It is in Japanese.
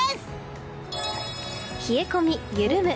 冷え込み緩む。